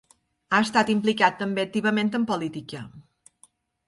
Ha estat implicat també activament en política.